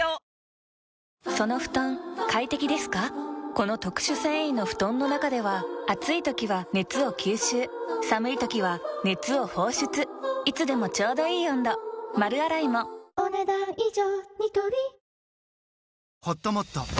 この特殊繊維の布団の中では暑い時は熱を吸収寒い時は熱を放出いつでもちょうどいい温度丸洗いもお、ねだん以上。